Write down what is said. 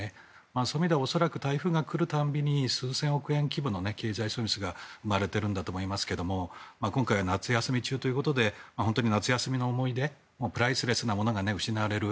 そういう意味では台風が来る度に数千億円規模の経済損失が生まれていると思いますが今回、夏休み中ということで夏休みの思い出プライスレスなものが失われる。